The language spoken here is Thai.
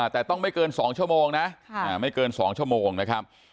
แต่ต้องไม่เกิน๒ชั่วโมงนะไม่เกิน๒ชั่วโมงนะครับ